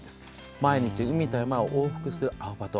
毎日、海と山を往復するアオバト